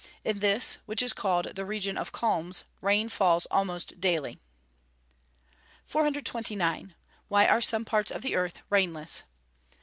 In this, which is called "the Region of Calms," rain falls almost daily. 429. _Why are some parts of the earth rainless?